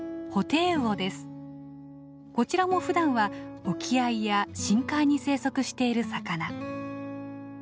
こちらもふだんは沖合や深海に生息している魚。